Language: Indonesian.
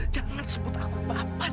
jangan sebut aku bapak